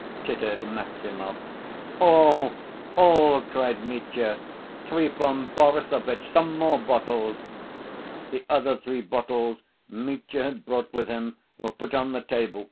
tittered Maximov. "All! All!" cried Mitya. "Trifon Borissovitch, some more bottles!" The other three bottles Mitya had brought with him were put on the table.